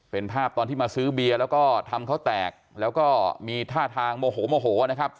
เป็นภาพตอนที่มาซื้อเบียร์แล้วก็ทำเขาแตกแล้วก็มีท่าทางโมโหโมโหนะครับ